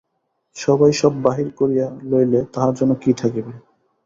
সবাই সব বাহির করিয়া লইলে তাহার জন্য কি থাকিবে?